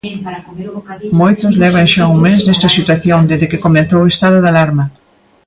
Moitos levan xa un mes nesta situación, dende que comezou o estado de alarma.